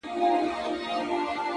په ټولو کتابو کي دی- انسان مبارک-